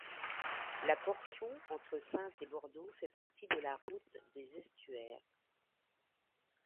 La portion entre Saintes et Bordeaux fait partie de la route des Estuaires.